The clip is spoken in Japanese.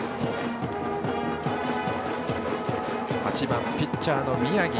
８番ピッチャーの宮城。